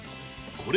これ。